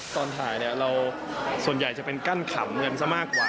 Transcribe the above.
ตอนถ่ายเนี่ยเราส่วนใหญ่จะเป็นกั้นขำเงินซะมากกว่า